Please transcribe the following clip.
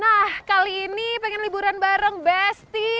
nah kali ini pengen liburan bareng besti